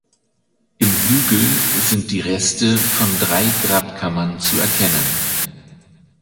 Im Hügel sind die Reste von drei Grabkammern zu erkennen.